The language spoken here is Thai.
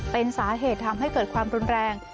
เป็นสาเหตุทำให้เกิดความรุนแรง